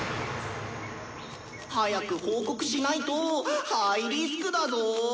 「早く報告しないとハイリスクだぞぉ？